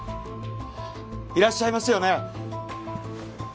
いらっしゃいますよね？